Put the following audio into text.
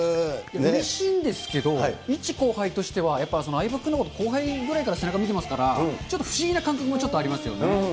うれしいんですけど、一後輩としては、やっぱ、相葉君のこと、後輩ぐらいから背中見てますから、ちょっと不思議な感覚もありますよね。